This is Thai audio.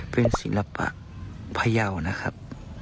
เป็นศิลปะพยาวนะครับ